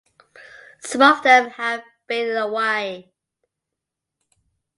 Some of them have faded away.